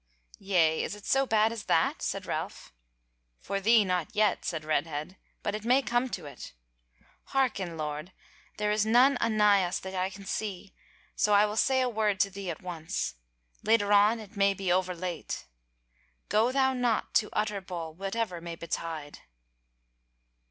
"Yea, is it so bad as that?" said Ralph. "For thee not yet," said Redhead, "but it may come to it. Hearken, lord, there is none anigh us that I can see, so I will say a word to thee at once. Later on it may be over late: Go thou not to Utterbol whatever may betide."